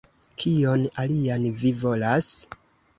Kion alian vi volas?